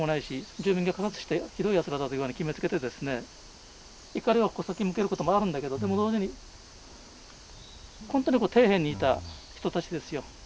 住民虐殺してひどいやつらだというふうに決めつけてですね怒りの矛先向けることもあるんだけどでも同時に本当に底辺にいた人たちですよ。